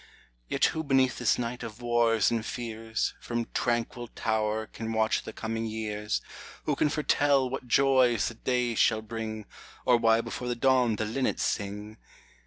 Yet who beneath this night of wars and fears, From tranquil tower can watch the coming years; Who can foretell what joys the day shall bring, Or why before the dawn the linnets sing